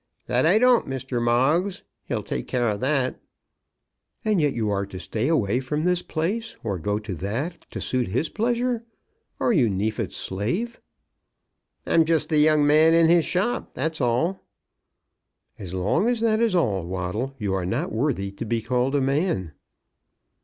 "That I don't, Mr. Moggs. He'll take care of that." "And yet you are to stay away from this place, or go to that, to suit his pleasure. Are you Neefit's slave?" "I'm just the young man in his shop, that's all." "As long as that is all, Waddle, you are not worthy to be called a man."